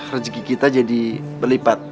rezeki kita jadi berlipat